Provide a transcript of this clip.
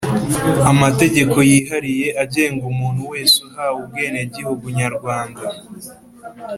amategeko yihariye agenga umuntu wese uhawe ubwenegihugu Nyarwanda